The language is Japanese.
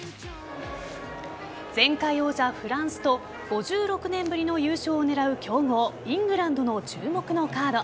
前回王者・フランスと５６年ぶりの優勝を狙う強豪・イングランドの注目のカード。